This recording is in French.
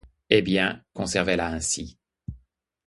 Eh bien, conservez-la ainsi.